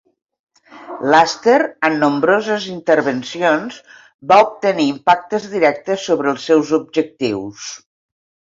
L'Aster, en nombroses intervencions, va obtenir impactes directes sobre els seus objectius.